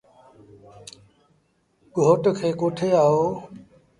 گھوٽ کي ڪوٺي آئو۔